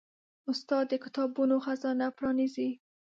استاد د کتابونو خزانه پرانیزي.